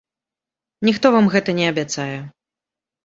Ніхто вам гэтага не абяцае.